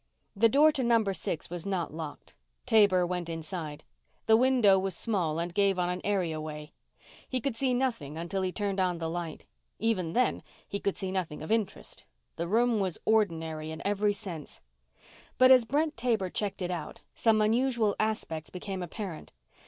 The door to number six was not locked. Taber went inside. The window was small and gave on an areaway. He could see nothing until he turned on the light. Even then, he could see nothing of interest the room was ordinary in every sense. But as Brent Taber checked it out, some unusual aspects became apparent.